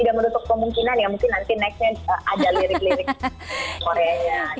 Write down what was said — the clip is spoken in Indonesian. tidak menutup kemungkinan ya mungkin nanti nextnya ada lirik lirik koreanya